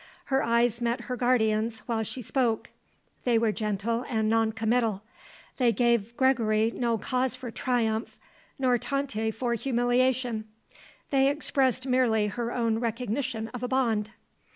Her eyes met her guardian's while she spoke. They were gentle and non committal; they gave Gregory no cause for triumph, nor Tante for humiliation; they expressed merely her own recognition of a bond.